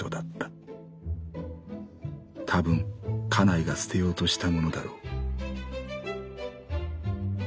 たぶん家内が捨てようとしたものだろう」。